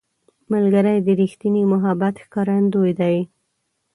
ملګری د ریښتیني محبت ښکارندوی دی